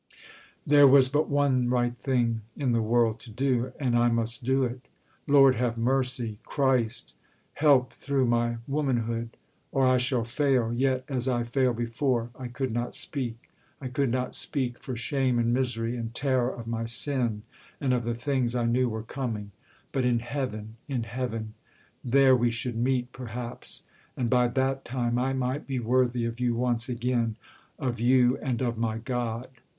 There was but one right thing in the world to do; And I must do it. ... Lord, have mercy! Christ! Help through my womanhood: or I shall fail Yet, as I failed before! ... I could not speak I could not speak for shame and misery, And terror of my sin, and of the things I knew were coming: but in heaven, in heaven! There we should meet, perhaps and by that time I might be worthy of you once again Of you, and of my God.